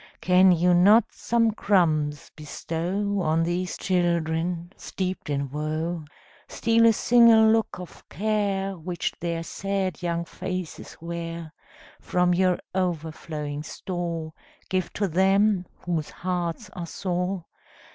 Can you not some crumbs bestow On these Children steeped in woe; Steal a single look of care Which their sad young faces wear; From your overflowing store Give to them whose hearts are sore?